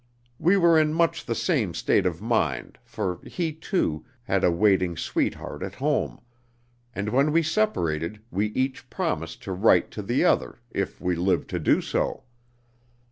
We were in much the same state of mind, for he, too, had a waiting sweetheart at home, and when we separated we each promised to write to the other, if we lived to do so.